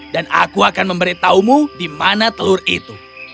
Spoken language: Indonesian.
dan aku akan memberitahumu di mana telur itu